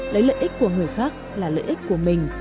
lấy lợi ích của người khác là lợi ích của mình